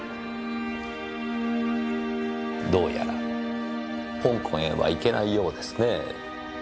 どうやら香港へは行けないようですねぇ。